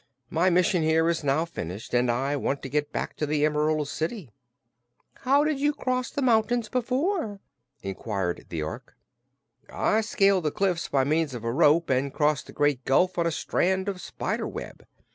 My mission here is now finished and I want to get back to the Emerald City." "How did you cross the mountains before?" inquired the Ork. "I scaled the cliffs by means of a rope, and crossed the Great Gulf on a strand of spider web.